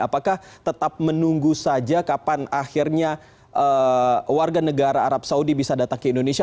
apakah tetap menunggu saja kapan akhirnya warga negara arab saudi bisa datang ke indonesia